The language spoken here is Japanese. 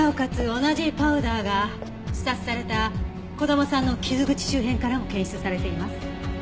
同じパウダーが刺殺された児玉さんの傷口周辺からも検出されています。